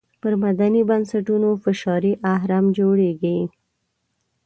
پر مدني بنسټونو فشاري اهرم جوړېږي.